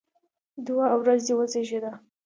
دوعا: وزر دې وزېږده!